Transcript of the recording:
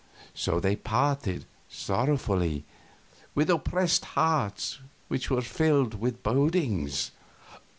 So they parted sorrowfully, with oppressed hearts which were filled with bodings.